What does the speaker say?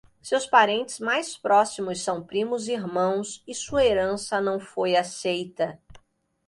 Seus parentes mais próximos são primos irmãos e sua herança não foi aceita.